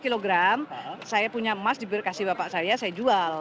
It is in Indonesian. lima kg saya punya emas diberi kasih bapak saya saya jual